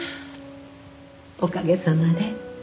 おかげさまで。